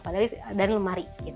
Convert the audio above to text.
padahal ini ada lemari gitu